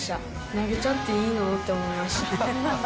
投げちゃっていいの？って思いました。